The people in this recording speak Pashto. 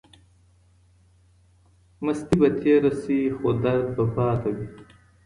مستی به تیره سي خو درد به پاتې وي.